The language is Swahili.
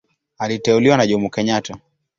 Aliteuliwa na Jomo Kenyatta.